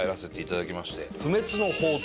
不滅の法灯。